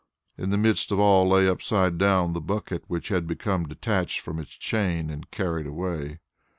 In the midst of all lay upside down, the bucket which had become detached from its chain and carried away.